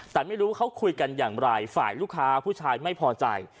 แต่ไม่รู้ว่าเขาคุยกันอย่างไรฝ่ายลูกค้าผู้ชายไม่พอใจ